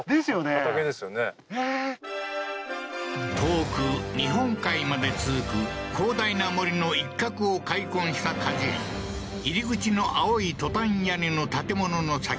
畑ですよねへえー遠く日本海まで続く広大な森の一画を開墾した果樹園入り口の青いトタン屋根の建物の先